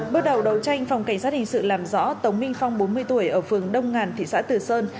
bước đầu đấu tranh phòng cảnh sát hình sự làm rõ tống minh phong bốn mươi tuổi ở phường đông ngàn thị xã từ sơn